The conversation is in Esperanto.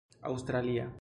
aŭstralia